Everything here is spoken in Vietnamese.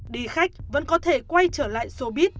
đi khách vẫn có thể quay trở lại showbiz